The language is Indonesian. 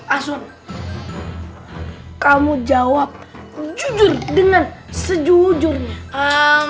asun kamu jawab jujur dengan sejujurnya